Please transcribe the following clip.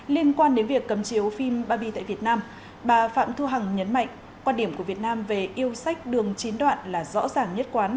liên quan đến việc cấm chiếu phim baby tại việt nam bà phạm thu hằng nhấn mạnh quan điểm của việt nam về yêu sách đường chín đoạn là rõ ràng nhất quán